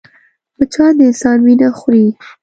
مچان د انسان وينه خوري